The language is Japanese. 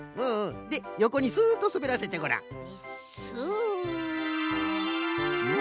でよこにスッとすべらせてごらん。